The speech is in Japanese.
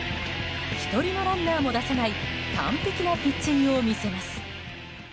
１人のランナーも出さない完璧なピッチングを見せます。